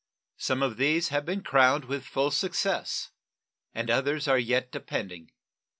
Some of these have been crowned with full success and others are yet depending.